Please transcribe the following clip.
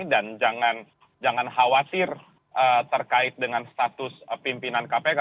dan jangan khawatir terkait dengan status pimpinan kpk